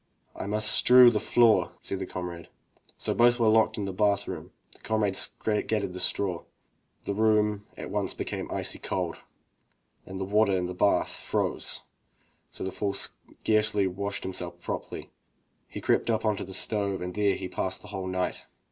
"I must strew the floor,'* said the comrade. So both were locked into the bath room, the comrade scattered the straw, the room at once became icy cold, and the water in the bath froze, so the fool could scarcely wash himself properly. He crept up onto the stove and there he passed the whole night.